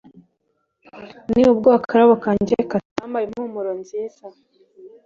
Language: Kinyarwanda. ni bwo akarabo kanjye gatama impumuro nziza